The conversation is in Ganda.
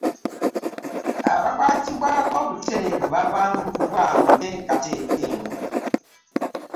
Abakwatibwako obutereevu babanguddwa mu nteekateeka eno